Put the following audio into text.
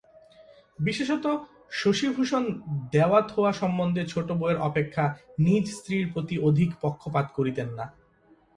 বিশেষত, শশিভূষণ দেওয়াথোওয়া সম্বন্ধে ছোটোবউয়ের অপেক্ষা নিজ স্ত্রীর প্রতি অধিক পক্ষপাত করিতেন না।